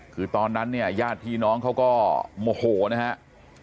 คือตอนนั้นเนี่ยญาติพี่น้องเขาก็โมโหนะครับ